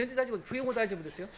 冬も大丈夫ですよ。